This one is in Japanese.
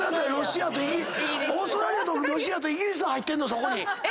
オーストラリアとロシアとイギリス入ってんの⁉星形⁉北海道は！